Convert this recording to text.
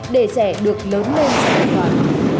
để trẻ được lớn lên trong đại giai đoàn